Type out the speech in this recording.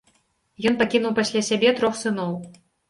Ён пакінуў пасля сябе трох сыноў.